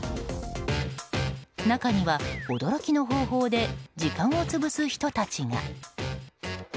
中には、驚きの方法で時間を潰す人たちが。